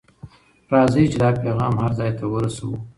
راځئ چې دا پیغام هر ځای ته ورسوو.